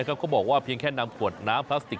ก็บอกว่าเพียงแค่นำขวดน้ำพลาสติก